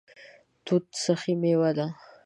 توت سخي میوه ده